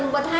bật hai lần